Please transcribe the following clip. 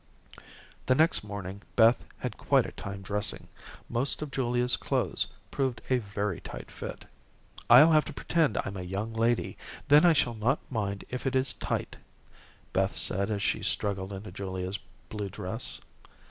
The next morning, Beth had quite a time dressing. Most of Julia's clothes proved a very tight fit. "I'll have to pretend I'm a young lady. Then I shall not mind if it is tight," Beth said as she struggled into Julia's blue dress.